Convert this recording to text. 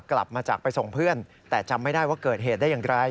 กลับมาจากไปส่งเพื่อนแต่จำไม่ได้ว่าเกิดเหตุได้อย่างไร